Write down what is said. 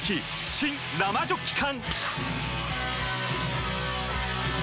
新・生ジョッキ缶！